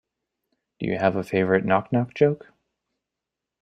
Do you have a favourite knock knock joke?